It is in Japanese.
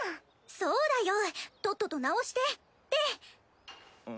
そうだよとっとと直してで！